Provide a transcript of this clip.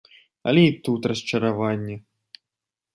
Але і тут расчараванне.